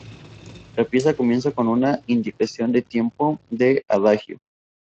La pieza comienza con una indicación de "tempo" de "adagio".